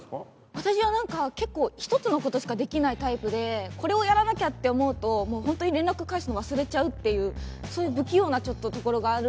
私はなんか結構１つの事しかできないタイプでこれをやらなきゃって思うともう本当に連絡返すの忘れちゃうっていうそういう不器用なところがあるので。